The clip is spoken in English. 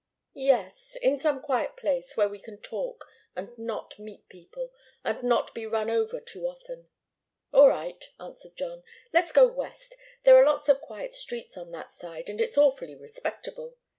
"Yes in some quiet place, where we can talk, and not meet people, and not be run over too often." "All right," answered John. "Let's go west. There are lots of quiet streets on that side, and it's awfully respectable.